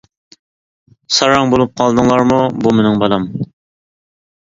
ساراڭ بولۇپ قالدىڭلارمۇ؟ بۇ مېنىڭ بالام!